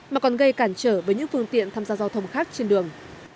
mà còn gây cản trở với những phương tiện tham gia giao thông khác trên đường